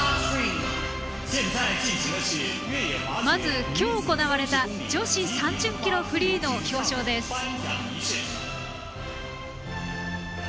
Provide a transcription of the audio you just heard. まず、今日行われた女子３０ｋｍフリーの表彰です。